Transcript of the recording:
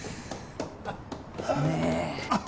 あっ。